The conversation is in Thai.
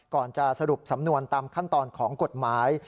ก่อนจะสรุปสำนวนตามขั้นตอนของกฎหมาย